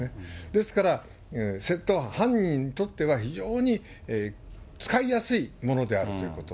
ですから、窃盗犯、犯人にとっては非常に使いやすいものであるということ。